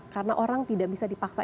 karena orang tidak bisa dipaksa